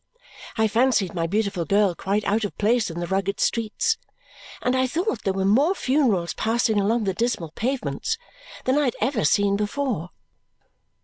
I fancied my beautiful girl quite out of place in the rugged streets, and I thought there were more funerals passing along the dismal pavements than I had ever seen before.